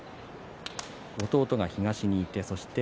弟が東にいて。